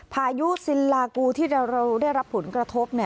พายุซินลากูที่เราได้รับผลกระทบ